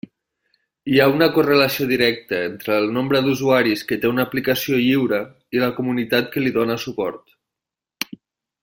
Hi ha una correlació directa entre el nombre d'usuaris que té una aplicació lliure i la comunitat que li dóna suport.